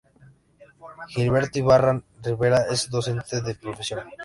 Gilberto Ibarra Rivera es docente de profesión.